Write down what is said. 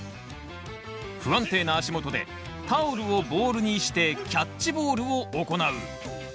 不安定な足元でタオルをボールにしてキャッチボールを行う。